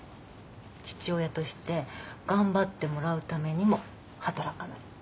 父親として頑張ってもらうためにも働かない。